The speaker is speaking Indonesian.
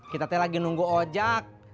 kita tadi lagi nunggu ojak